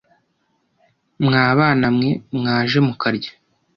Mwa banamwe mwaje mukarya